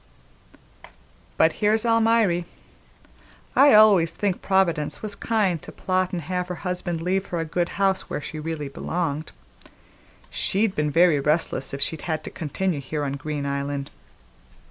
But here's Almiry; I always think Providence was kind to plot an' have her husband leave her a good house where she really belonged. She'd been very restless if she'd had to continue here on Green Island.